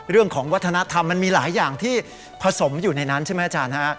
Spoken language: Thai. เรื่องของวัฒนธรรมมันมีหลายอย่างที่ผสมอยู่ในนั้นใช่ไหมอาจารย์ฮะ